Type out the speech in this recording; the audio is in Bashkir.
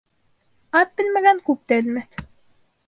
Аҙ белмәгән күп тә белмәҫ.